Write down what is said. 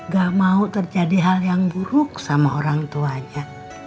gak mau terjadi hal yang buruk sama orang tuanya